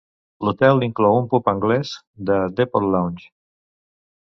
L'hotel inclou un pub anglès, The Depot Lounge.